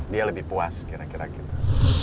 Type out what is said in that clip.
dia lebih puas kira kira gitu